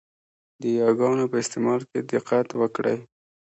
د یاګانو په استعمال کې دقت وکړئ!